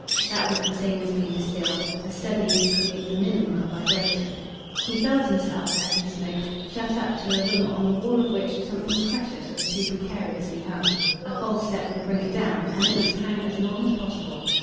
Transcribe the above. That was the same as being still as studying to create the minimum of vibration. He felt himself as he smoked shut up to a room on the wall of which something precious was too precariously hung. A false step would bring it down, and it must hang as long as possible.